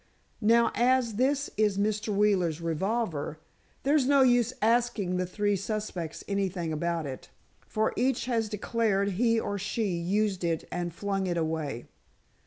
Now, as this is Mr. Wheeler's revolver, there's no use asking the three suspects anything about it. For each has declared he or she used it and flung it away.